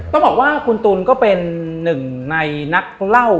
ต้องบอกว่าคุณตูนก็เป็นหนึ่งในนักเล่า